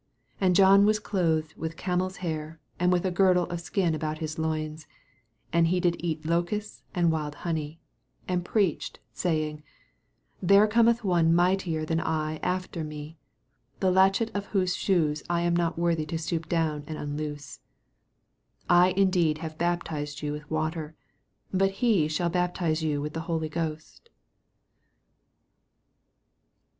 6 And John was clothed with cam el's hair, and with a girdle of a skin about his loins ; and he did eat locusts and wild honey : 7 And preached, saying, There cometh one mightier than I after me, the latchet of whose shoes I am not worthy to stoop down and unloose. 8 I indeed have baptized you with water : but he shall baptize you with the Holy Ghost.